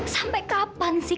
sampai kapan sih